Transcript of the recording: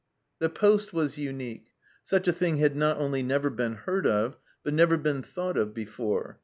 The poste was unique ; such a thing had not only never been heard of, but never been thought of, before.